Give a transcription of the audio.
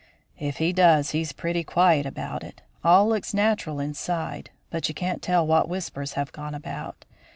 "If he does, he's pretty quiet about it. All looks natural inside. But you can't tell what whispers have gone about.